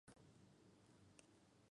El plumaje es de color marrón.